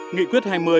nghị quyết hai mươi